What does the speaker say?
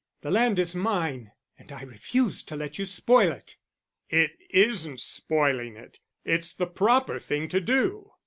The land is mine, and I refuse to let you spoil it." "It isn't spoiling it. It's the proper thing to do.